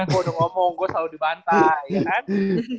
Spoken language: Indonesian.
gua udah ngomong gua selalu di bantai ya kan